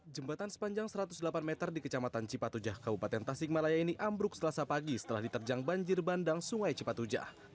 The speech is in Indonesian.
jembatan sepanjang satu ratus delapan meter di kecamatan cipatujah kabupaten tasikmalaya ini ambruk selasa pagi setelah diterjang banjir bandang sungai cipatujah